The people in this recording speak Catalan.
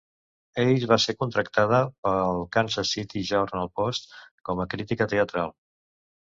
Ace va ser contractada pel Kansas City Journal-Post com a crítica teatral.